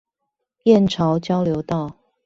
燕巢交流道